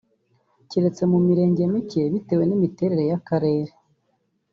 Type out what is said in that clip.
keretse mu Mirenge mike bitewe n’imiterere y’Akarere